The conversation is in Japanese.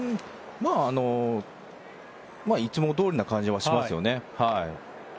いつもどおりの感じはしますよね。